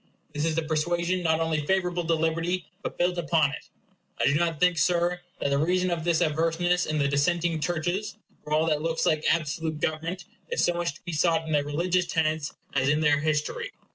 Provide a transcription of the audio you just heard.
This is a persuasion not only favorable to libert y, but built upon it. I do not think, Sir, that the reason of this averseness in the dissenting churches from all that looks like absolute government is so much to be sought in their religious tenets, as in their history.